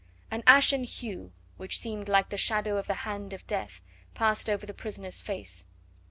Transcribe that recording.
An ashen hue, which seemed like the shadow of the hand of death, passed over the prisoner's face.